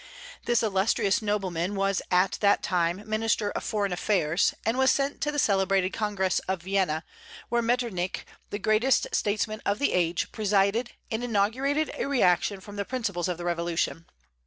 This illustrious nobleman was at that time Minister of Foreign Affairs, and was sent to the celebrated Congress of Vienna, where Metternich, the greatest statesman of the age, presided and inaugurated a reaction from the principles of the Revolution.